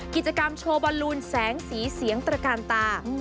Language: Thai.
กิจกรรมโชว์บอลลูนแสงสีเสียงตระกาลตา